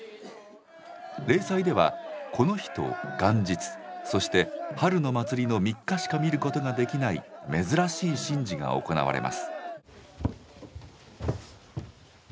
例祭ではこの日と元日そして春の祭りの３日しか見ることができない珍しい神事が行われます。